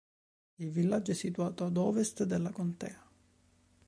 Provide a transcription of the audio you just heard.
Il villaggio è situato ad ovest della contea.